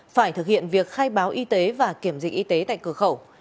phải thực hiện việc khai báo y tế và kiểm dịch y tế tại cửa khẩu